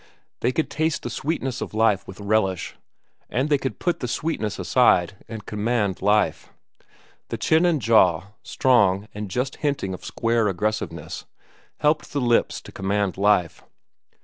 They could taste the sweetness of life with relish, and they could put the sweetness aside and command life. The chin and jaw, strong and just hinting of square aggressiveness, helped the lips to command life.